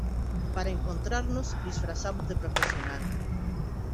para encontrarnos, disfrazamos de profesional